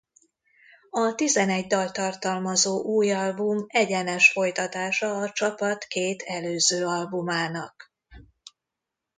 A tizenegy dalt tartalmazó új album egyenes folytatása a csapat két előző albumának.